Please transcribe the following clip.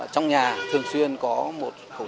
trong nhà thường xuyên có một khẩu súng